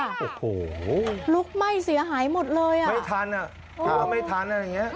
โอ้โหลุกไหม้เสียหายหมดเลยอ่ะไม่ทันอ่ะหาไม่ทันอะไรอย่างเงี้